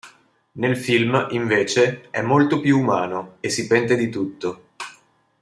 Nel film, invece, è molto più umano e si pente di tutto.